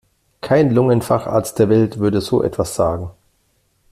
Kein Lungenfacharzt der Welt würde so etwas sagen.